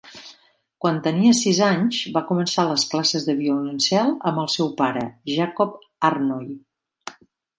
Quan tenia sis anys, va començar les classes de violoncel amb el seu pare, Jacob Harnoy.